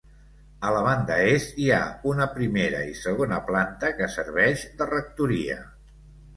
A la banda est hi ha una primera i segona planta que serveix de rectoria.